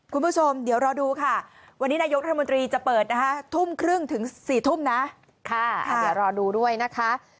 คุณผู้ชมเดี๋ยวรอดูค่ะวันนี้นายกรัฐมนตรีจะเปิดนะคะทุ่มครึ่งถึง๔ทุ่มนะค่ะเดี๋ยวรอดูด้วยนะคะ